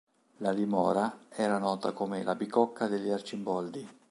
La dimora era nota come la "Bicocca degli Arcimboldi".